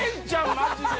マジで。